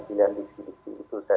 gerindra spih base